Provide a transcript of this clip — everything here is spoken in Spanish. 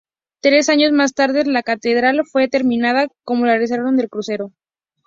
Tres años más tarde, la catedral fue terminada, con la realización del crucero.